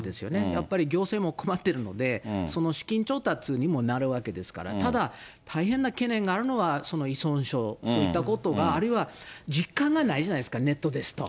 やはり行政も困っているので、その資金調達にもなるわけですから、ただ、大変な懸念があるのは、その依存症、そういったことが、あるいは実感がないじゃないですか、ネットですと。